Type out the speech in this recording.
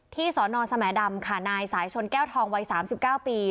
สนสแหมดำค่ะนายสายชนแก้วทองวัย๓๙ปี